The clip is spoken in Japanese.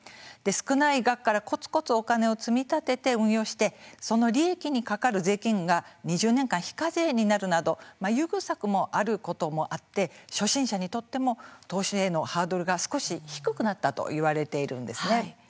少ない額から、こつこつお金を積み立てて運用してその利益にかかる税金が２０年間非課税になるなど優遇策もあることもあって初心者にとっても投資へのハードルが少し低くなったといわれているんですね。